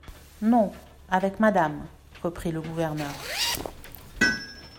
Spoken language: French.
Non, avec madame, reprit le gouverneur.